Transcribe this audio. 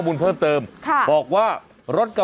วันนี้จะเป็นวันนี้